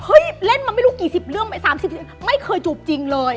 เล่นมาไม่รู้กี่สิบเรื่อง๓๐ไม่เคยจูบจริงเลย